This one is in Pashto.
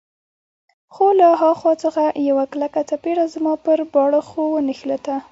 خو له ها خوا څخه یوه کلکه څپېړه زما پر باړخو ونښتله.